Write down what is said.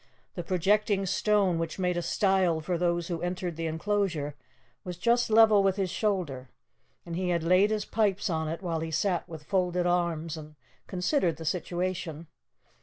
The projecting stone which made a stile for those who entered the enclosure was just level with his shoulder, and he had laid his pipes on it while he sat with folded arms and considered the situation.